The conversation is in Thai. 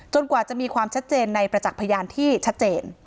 กว่าจะมีความชัดเจนในประจักษ์พยานที่ชัดเจน